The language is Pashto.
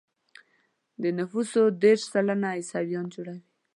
د نفوسو دېرش سلنه يې عیسویان جوړوي.